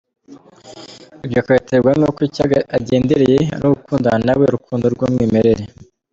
Ibyo akabiterwa n’uko icyo agendereye ari ugukundana nawe urukundo rw’umwimerere.